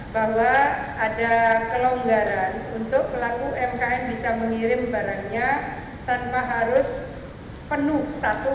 bahwa ada kelonggaran untuk pelaku umkm bisa mengirim barangnya tanpa harus penuh satu